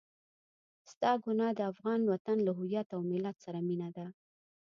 ستا ګناه د افغان وطن له هويت او ملت سره مينه ده.